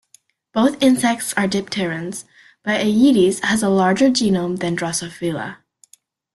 Both insects are dipterans, but "Aedes" has a larger genome than "Drosophila".